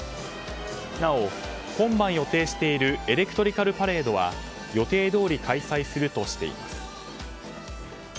なお、今晩予定しているエレクトリカルパレードは予定どおり開催するとしています。